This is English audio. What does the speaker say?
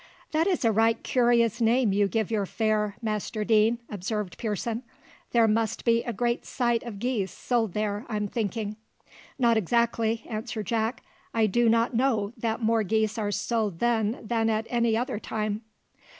"That is a right curious name you give your fair, Master Deane," observed Pearson. "There must be a great sight of geese sold there, I'm thinking." "Not exactly," answered Jack. "I do not know that more geese are sold then than at any other time."